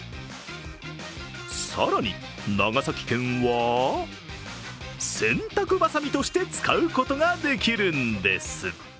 更に長崎県は、洗濯ばさみとして使うことができるんです。